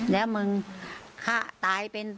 แล้วมึงตายเป็น